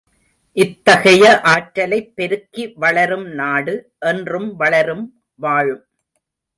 இத்தகைய ஆற்றலைப் பெருக்கி வளரும் நாடு என்றும் வளரும் வாழும்.